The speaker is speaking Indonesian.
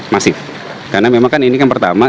masif karena memang kan ini kan pertama